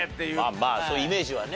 まあまあそういうイメージはね。